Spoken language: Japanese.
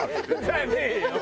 じゃねえよ！